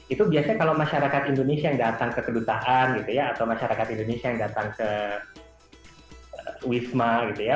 itu biasanya kalau masyarakat indonesia yang datang ke kedutaan gitu ya atau masyarakat indonesia yang datang ke wisma gitu ya